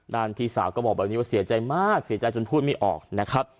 พี่สาวก็บอกแบบนี้ว่าเสียใจมากเสียใจจนพูดไม่ออกนะครับ